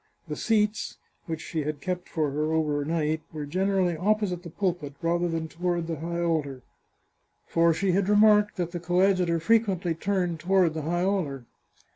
The seats, which she had kept for her overnight, were generally opposite the pulpit, rather toward the high altar, for she had remarked that the coadjutor frequently turned toward the high altar.